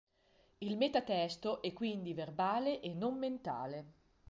Il metatesto è quindi verbale e non mentale.